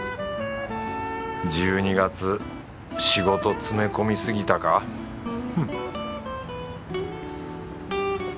１２月仕事詰め込みすぎたかフッ